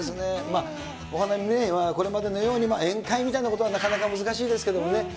お花見ね、これまでのように宴会みたいなことはなかなか難しいですけどもね。